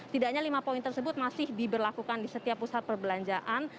tidaknya lima poin tersebut masih diberlakukan di setiap pusat perbelanjaan